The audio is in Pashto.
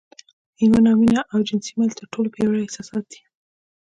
ایمان او مینه او جنسي میل تر ټولو پیاوړي احساسات دي